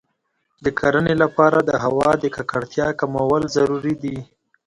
د کرنې لپاره د هوا د ککړتیا کمول ضروري دی.